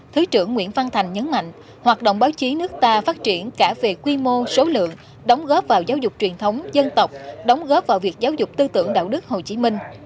thứ trưởng nguyễn văn thành nhấn mạnh hoạt động báo chí nước ta phát triển cả về quy mô số lượng đóng góp vào giáo dục truyền thống dân tộc đóng góp vào việc giáo dục tư tưởng đạo đức hồ chí minh